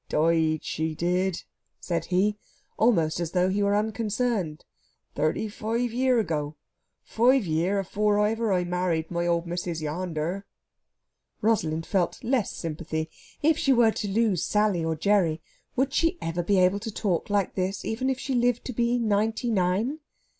"Died, she did," said he, almost as though he were unconcerned, "thirty five year ago five year afower ever I married my old missis yander." Rosalind felt less sympathy. If she were to lose Sally or Gerry, would she ever be able to talk like this, even if she lived to be ninety nine?